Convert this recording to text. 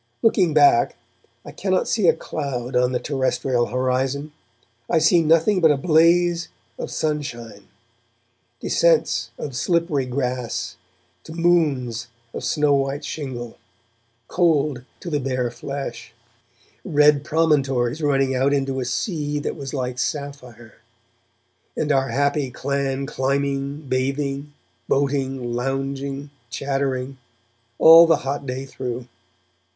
Looking back, I cannot see a cloud on the terrestrial horizon I see nothing but a blaze of sunshine; descents of slippery grass to moons of snow white shingle, cold to the bare flesh; red promontories running out into a sea that was like sapphire; and our happy clan climbing, bathing, boating, lounging, chattering, all the hot day through.